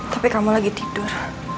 tapi kamu lagi tidur